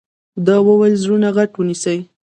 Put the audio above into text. ده وويل زړونه غټ ونيسئ.